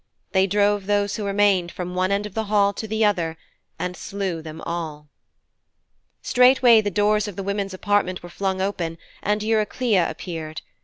They drove those who remained from one end of the hall to the other, and slew them all. Straightway the doors of the women's apartment were flung open, and Eurycleia appeared.